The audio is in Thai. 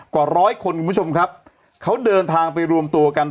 กว่าร้อยคนคุณผู้ชมครับเขาเดินทางไปรวมตัวกัน